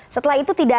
berta kirby punk dua